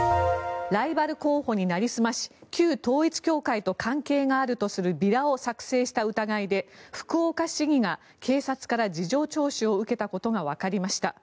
ライバル候補になりすまし旧統一教会と関係があるとするビラを作成した疑いで福岡市議が警察から事情聴取を受けたことがわかりました。